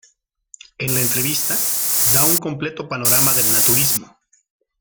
En la entrevista, da un completo panorama del "naturismo".